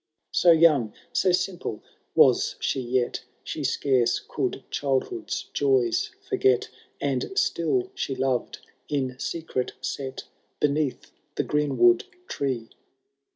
So young, so simple was she yet. She scarce could childhood^t joys forget. And still she loved, in secret set Beneath the greenwood tree.